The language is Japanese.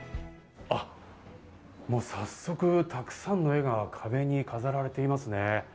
早速たくさんの絵が壁に飾られていますね。